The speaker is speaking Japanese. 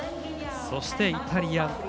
そして、イタリア。